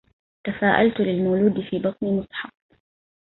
تفاءلت للمولود في بطن مصحف